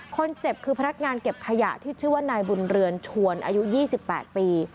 คนเจ็บคือพนักงานเก็บขยะที่ชื่อว่านายบุญเรือนชวนอายุ๒๘ปี